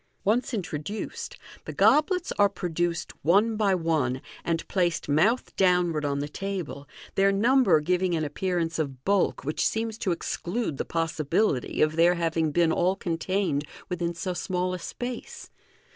Once introduced, the goblets are produced one by one, and placed mouth downward on the table, their number giving an appear ance of bulk which seems to exclude the possibility of their having been all contained within so small a space.